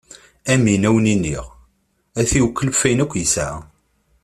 Amin, ad wen-iniɣ: ad t-iwekkel ɣef wayen akk yesɛa.